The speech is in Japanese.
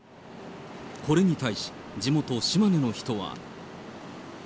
これに対し、地元、島根の人は。